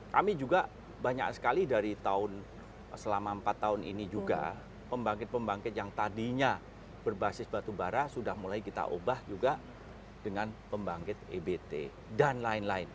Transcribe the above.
dan juga banyak sekali dari tahun selama empat tahun ini juga pembangkit pembangkit yang tadinya berbasis batubara sudah mulai kita ubah juga dengan pembangkit ebt dan lain lain